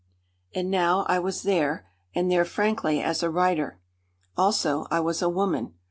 And now I was there, and there frankly as a writer. Also I was a woman.